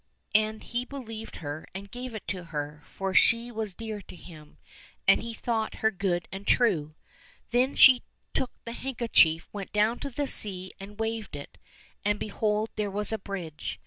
And he believed her and gave it to her, for she was dear to him, and he thought her good and true. Then she took the handkerchief, went down to the sea, and waved it — and behold there was a bridge.